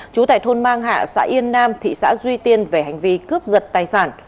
chú tại thôn mang hạ xã yên nam thị xã duy tiên về hành vi cướp giật tài sản